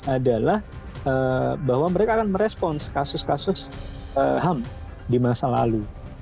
adalah bahwa mereka akan merespons kasus kasus ham di masa lalu